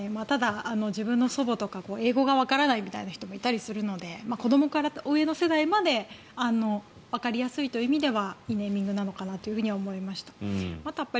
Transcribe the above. ただ、自分の祖母とか英語がわからないみたいな人もいたりするので子どもから親の世代までわかりやすいという意味ではいいネーミングなのかなと思いました。